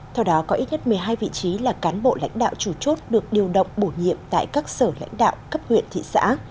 theo đó có ít nhất một mươi hai vị trí là cán bộ lãnh đạo chủ chốt được điều động bổ nhiệm tại các sở lãnh đạo cấp huyện thị xã